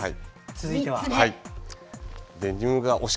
続いては？